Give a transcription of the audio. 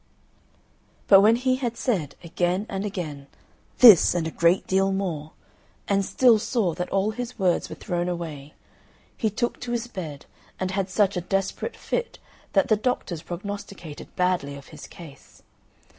But when he had said, again and again, this and a great deal more, and still saw that all his words were thrown away, he took to his bed, and had such a desperate fit that the doctors prognosticated badly of his case.